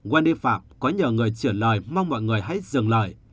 wendy phạm có nhờ người truyền lời mong mọi người hãy dừng lời